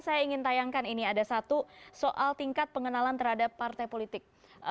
saya ingin tayangkan ini ada satu soal tingkat pengenalan terhadap partai politik